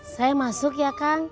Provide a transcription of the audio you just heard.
saya masuk ya kang